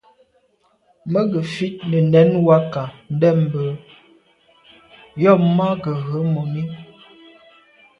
Mə́ gə̀ fít nə̀ nɛ̌n wákà ndɛ̂mbə̄ yɑ̀mə́ má gə̀ rə̌ mòní.